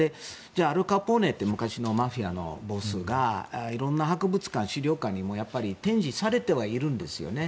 アル・カポネという昔のマフィアのボスが色んな博物館、資料館にも展示されてはいるんですね。